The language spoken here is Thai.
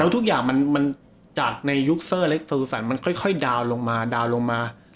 แล้วทุกอย่างมันจากในยุคเซอร์และสรุปสรรคมันค่อยดาวน์ลงมา